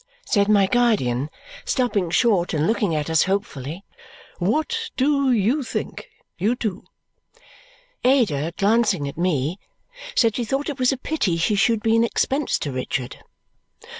said my guardian, stopping short and looking at us hopefully. "What do you think, you two?" Ada, glancing at me, said she thought it was a pity he should be an expense to Richard.